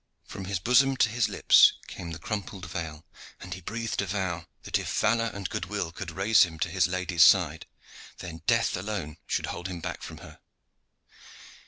From his bosom to his lips came the crumpled veil, and he breathed a vow that if valor and goodwill could raise him to his lady's side, then death alone should hold him back from her.